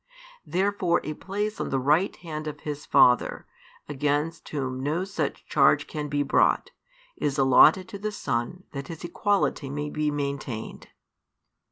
Therefore a place on the right hand of His Father, against Whom no such charge can be brought, is allotted to the Son that His equality may be maintained.